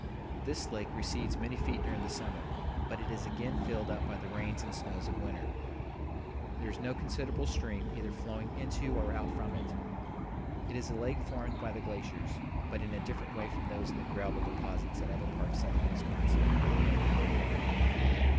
This lake recedes many feet during the summer, but it is again filled up by the rains and snows of winter. There is no considerable stream either flowing into or out from it. It is a lake formed by the glaciers, but in a different way from those in the gravel deposits at other parts of southern Wisconsin and northern Illinois.